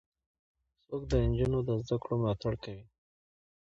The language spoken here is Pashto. څوک د نجونو د زدهکړو ملاتړ کوي؟